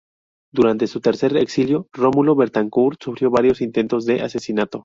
Durante su tercer exilio Rómulo Betancourt sufrió varios intentos de asesinato.